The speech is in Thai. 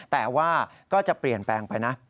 แต่ว่าก็จะเปลี่ยนแปลงไปนะ